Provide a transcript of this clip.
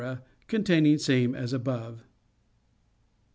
(Containing same as above.)